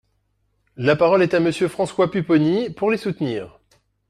La parole est à Monsieur François Pupponi, pour les soutenir.